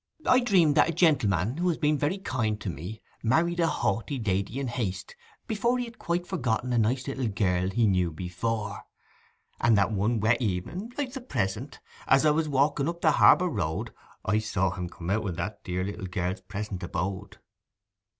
'I dreamed that a gentleman, who has been very kind to me, married a haughty lady in haste, before he had quite forgotten a nice little girl he knew before, and that one wet evening, like the present, as I was walking up the harbour road, I saw him come out of that dear little girl's present abode.